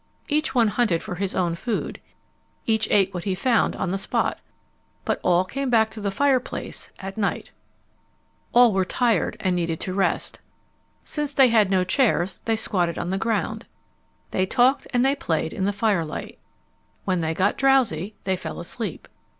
Each one hunted for his own food. Each ate what he found on the spot. But all came back to the fireplace at night. [Illustration: "They talked about the wild animals they had seen"] All were tired and needed to rest. Since they had no chairs they squatted on the ground. They talked and they played in the firelight. When they got drowsy they fell asleep.